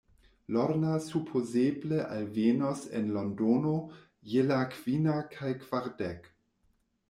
Lorna supozeble alvenos en Londono je la kvina kaj kvardek.